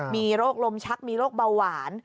มีโรคลมชักมีโรคเบาหวาน